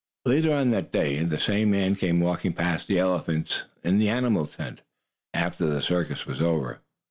Later on that day, the same man came walking past the elephants in the animal tent, after the circus was over.